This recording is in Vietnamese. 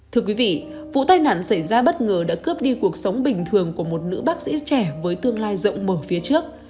thưa quý vị vụ tai nạn xảy ra bất ngờ đã cướp đi cuộc sống bình thường của một nữ bác sĩ trẻ với tương lai rộng mộ